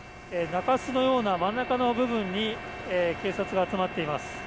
中州のような真ん中の部分に警察が集まっています。